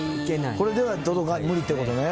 これでは無理ってことね。